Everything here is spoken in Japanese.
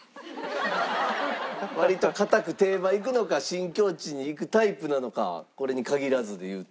割と堅く定番いくのか新境地にいくタイプなのかこれに限らずで言うと。